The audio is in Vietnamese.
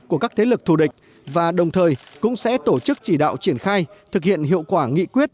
của các thế lực thù địch và đồng thời cũng sẽ tổ chức chỉ đạo triển khai thực hiện hiệu quả nghị quyết